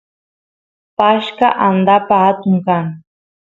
pashqa andapa atun kan